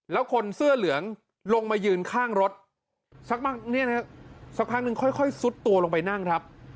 แล้วคนเสื้อเหลืองลงมายืนข้างรถสักพักนึงค่อยซุดตัวลงไปนั่งครับ